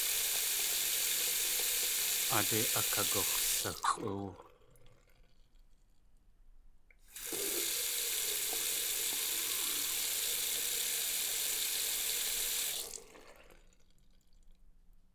Aadé akagux̲saxʼóo.